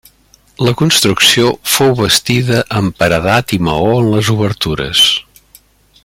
La construcció fou bastida amb paredat i maó en les obertures.